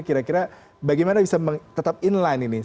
kira kira bagaimana bisa tetap in line ini